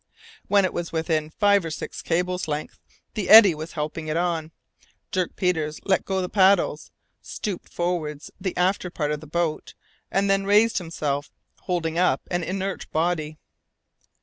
When it was within five or six cables' lengths, and the eddy was helping it on, Dirk Peters let go the paddles, stooped towards the after part of the boat, and then raised himself, holding up an inert body.